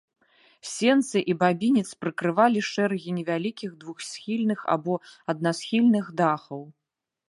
Сенцы і бабінец прыкрывалі шэрагі невялікіх двухсхільных або аднасхільных дахаў.